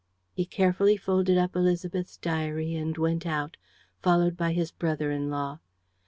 He carefully folded up Élisabeth's diary and went out, followed by his brother in law.